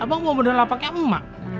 abang mau berdala pake emak